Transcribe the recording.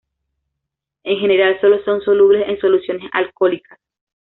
En general solo son solubles en soluciones alcohólicas.